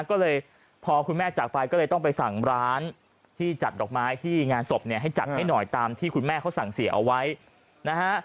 ก็เลยพอคุณแม่จากไปก็เลยต้องไปสั่งร้านที่จัดดอกไม้ที่งานศพเนี่ยให้จัดให้หน่อยตามที่คุณแม่เขาสั่งเสียเอาไว้นะฮะ